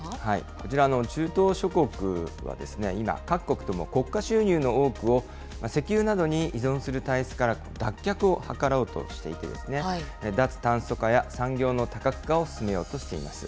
こちらの中東諸国はですね、今、各国とも国家収入の多くを、石油などに依存する体質から脱却を図ろうとしていて、脱炭素化や産業の多角化を進めようとしています。